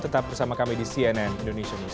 tetap bersama kami di cnn indonesia newsro